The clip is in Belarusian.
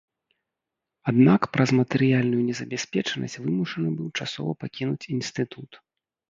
Аднак праз матэрыяльную незабяспечанасць вымушаны быў часова пакінуць інстытут.